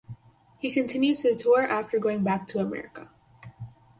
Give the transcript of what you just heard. He continued to tour after going back to America.